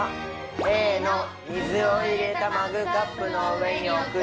Ａの水を入れたマグカップの上に置くです。